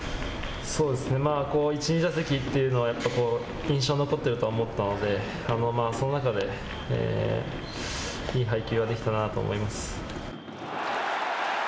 そうですね１２打席というのは印象に残っているとは思ったのでその中でいい配球ができたなと思います。